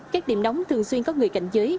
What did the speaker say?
các điểm đóng thường xuyên có người cảnh giới